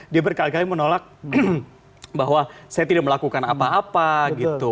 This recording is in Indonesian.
dia berkali kali menolak bahwa saya tidak melakukan apa apa gitu